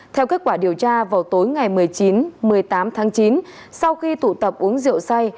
theo kết quả điều tra vào tối ngày một mươi chín một mươi tám tháng chín sau khi tụ tập uống rượu say